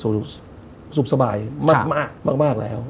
สุขสบายมากแล้ว